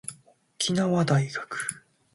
沖縄大学